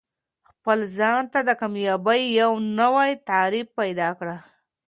خپل ځان ته د کامیابۍ یو نوی تعریف پیدا کړه.